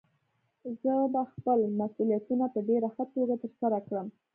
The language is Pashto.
زه به خپل مسؤليتونه په ډېره ښه توګه ترسره کړم.